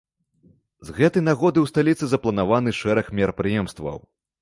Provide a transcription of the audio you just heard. З гэтай нагоды ў сталіцы запланаваны шэраг мерапрыемстваў.